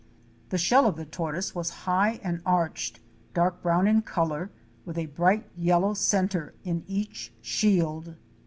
The shell of the tortoise was high and arched, dark brown in color with a bright yellow centre in each shield.